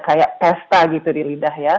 seperti pasta di lidah